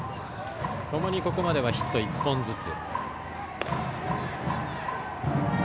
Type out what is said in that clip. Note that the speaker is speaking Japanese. ともにここまではヒット１本ずつ。